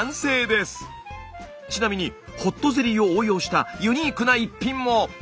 ちなみにホットゼリーを応用したユニークな１品も。